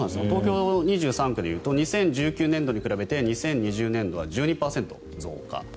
東京２３区で言うと２０１９年度に比べて２０２０年度は１２％増加。